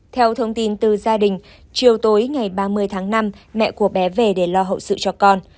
theo thông tin từ gia đình chiều tối ngày ba mươi tháng năm mẹ của bé về để lo hậu sự cho con